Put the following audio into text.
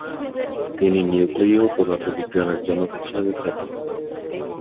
তিনি নিউক্লীয় পদার্থবিজ্ঞানের "জনক" হিসেবে খ্যাত।